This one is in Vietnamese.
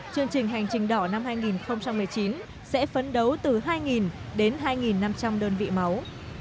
chương trình hành trình đỏ năm hai nghìn một mươi chín sẽ phấn đấu từ hai đến hai năm trăm linh đơn vị máu